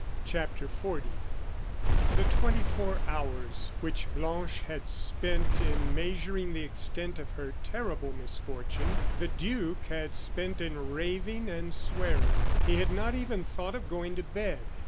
CHAPTER XL The twenty four hours which Blanche had spent in measuring the extent of her terrible misfortune, the duke had spent in raving and swearing. He had not even thought of going to bed.